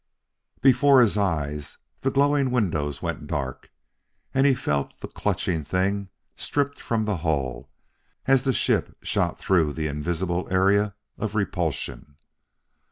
Before his eyes the glowing windows went dark, and he felt the clutching thing stripped from the hull as the ship shot through the invisible area of repulsion.